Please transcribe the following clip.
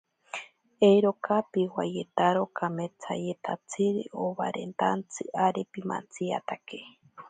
Eirorika piwayetaro kametsayetatsiri obaretantsi, ari pimantsiyatake.